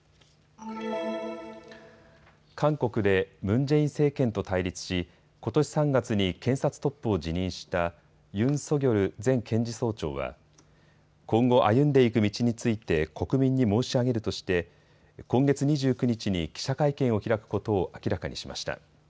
韓国でムン・ジェイン政権と対立し、ことし３月に検察トップを辞任したユン・ソギョル前検事総長は今後、歩んでいく道について国民に申し上げるとして今月２９日に記者会見を開くことを明らかにしました。